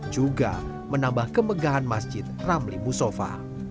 juga menambah kemegahan masjid ramli musofa